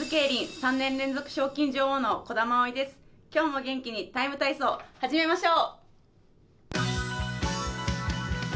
今日も元気に「ＴＩＭＥ，体操」始めましょう。